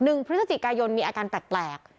หนึ่งพฤศจิกายนมีอาการแปลก